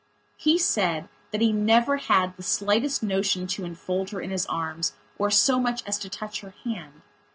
He said that he never had the slightest notion to enfold her in his arms or so much as to touch her hand.